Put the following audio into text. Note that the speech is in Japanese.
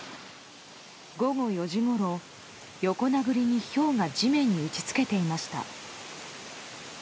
午後４時ごろ、横殴りにひょうが地面に打ち付けていました。